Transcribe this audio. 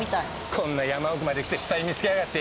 こんな山奥まで来て死体見つけやがって。